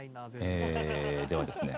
えではですね。